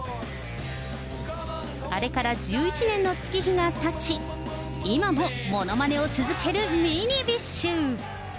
あれから１１年の月日がたち、今もものまねを続けるミニビッシュ。